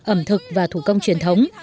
ẩm thực và thủ công truyền thống